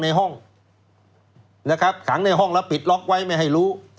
ในห้องนะครับขังในห้องแล้วปิดล็อกไว้ไม่ให้รู้